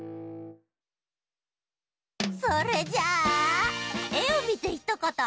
それじゃあ「えをみてひとこと」